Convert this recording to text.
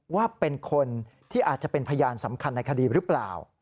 ว่าเป็นคนที่อาจจะเป็นพยานสำคัญในคดีหรือเปล่า